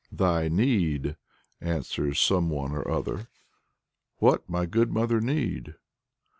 "'Thy Need,' answers some one or other. "'What, my good mother Need!'